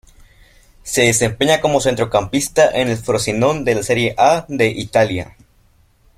Se desempeña como centrocampista en el Frosinone de la Serie A de Italia.